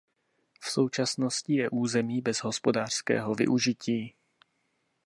V současnosti je území bez hospodářského využití.